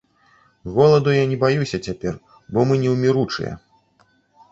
Голаду я не баюся цяпер, бо мы неўміручыя.